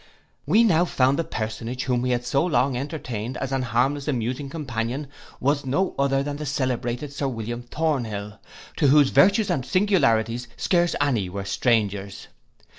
We now found the personage whom we had so long entertained as an harmless amusing companion was no other than the celebrated Sir William Thornhill, to whose virtues and singularities scarce any were strangers.